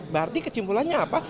berarti kecimpulannya apa